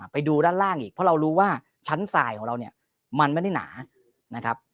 ไปดูด้านล่างอีกเรารู้ว่าชั้นใส่เราเนี่ยมันไม่หนานะ